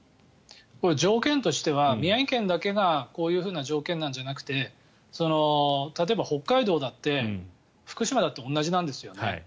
条件としては宮城県だけがこういう条件なんじゃなくて例えば北海道だって福島だって同じなんですよね。